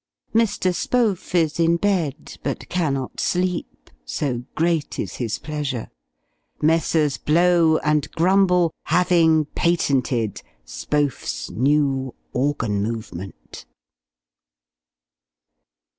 Mr. Spohf is in bed, but cannot sleep so great is his pleasure, Messrs. Blow and Grumble having patented "Spohf's new organ movement."